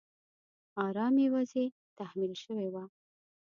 آرامي وضعې تحمیل شوې وه.